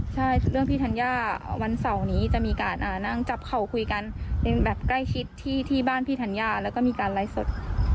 ใช่เรื่องพี่ธัญญาวันเสาร์นี้จะมีการนั่งจับเข่าคุยกันเป็นแบบใกล้ชิดที่บ้านพี่ธัญญาแล้วก็มีการไลฟ์สด